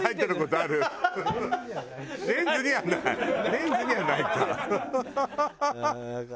レンズにはないか。